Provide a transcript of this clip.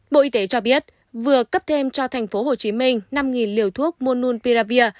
bộ y tế cho biết vừa cấp thêm cho tp hcm năm liều thuốc monunviravir